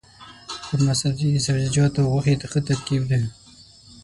قورمه سبزي د سبزيجاتو او غوښې ښه ترکیب دی.